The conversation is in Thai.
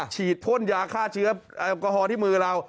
ฉีดพ่นยาฆ่าเชื้อแอลกอฮอลที่มือเรา